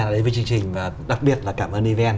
đã đến với chương trình và đặc biệt là cảm ơn even